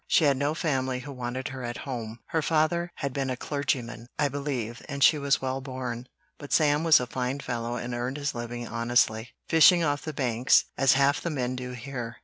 She had no family who wanted her at home; her father had been a clergyman, I believe, and she was well born, but Sam was a fine fellow and earned his living honestly, fishing off the Banks, as half the men do here.